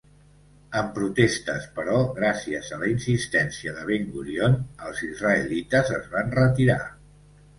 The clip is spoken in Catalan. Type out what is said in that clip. Amb protestes, però gràcies a la insistència de Ben-Gurion, els israelites es van retirar.